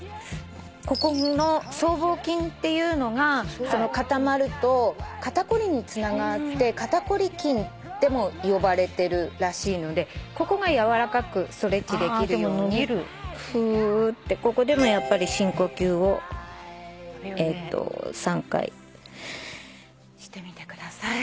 ここの僧帽筋っていうのが固まると肩凝りにつながって肩凝り筋とも呼ばれてるらしいのでここがやわらかくストレッチできるようにふーってここでもやっぱり深呼吸を３回してみてください。